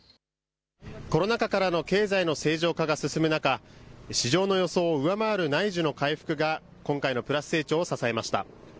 コロナ禍からの経済の正常化が進む中、市場の予想を上回る内需の回復が今回のプラス成長を支えました。